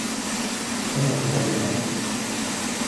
トマトを食べた。